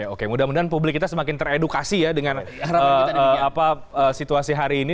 oke mudah mudahan publik kita semakin teredukasi ya dengan situasi hari ini